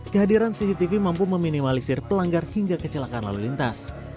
kehadiran cctv mampu meminimalisir pelanggar hingga kecelakaan lalu lintas